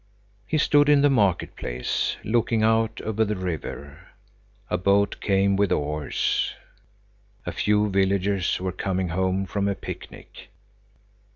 He stood in the market place, looking out over the river. A boat came with oars. A few villagers were coming home from a picnic.